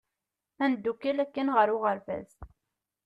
Ad ndukkel akken ɣer uɣeṛbaz!